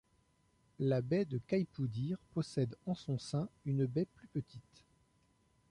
La baie de Khaïpoudyr possède, en son sein, une baie plus petite.